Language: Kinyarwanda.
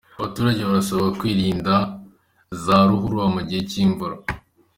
Abaturage barasabwa kwirinda za ruhurura mu gihe cy’imvura